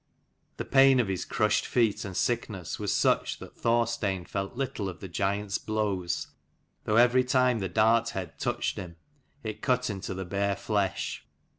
The pain of his crushed feet and sickness was such that Thor stein felt little of the giant's blows, though every time the dart head touched him, it cut into the bare flesh.